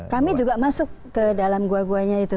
kami juga masuk ke dalam gua guanya itu